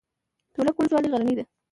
تولک ولسوالۍ غرنۍ ده؟